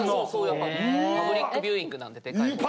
やっぱパブリックビューイングなんででかいほうが。